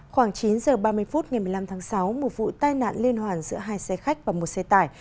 khoảng chín h ba mươi phút ngày một mươi năm tháng sáu một vụ tai nạn liên hoàn giữa hai xe khách và một xe tải